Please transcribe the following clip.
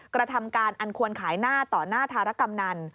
กระทำการอันควรขายหน้าต่อหน้าธารกำนัน